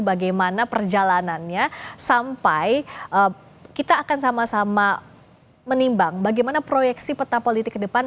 bagaimana perjalanannya sampai kita akan sama sama menimbang bagaimana proyeksi peta politik ke depan